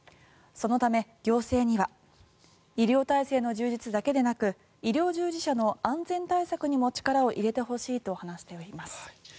そのため行政には医療体制の充実だけでなく医療従事者の安全対策にも力を入れてほしいと話しています。